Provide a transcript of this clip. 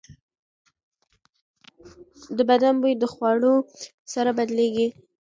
د بدن بوی د خوړو سره بدلېږي.